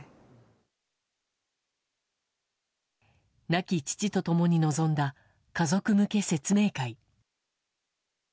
亡き父と共に臨んだ家族向け説明会。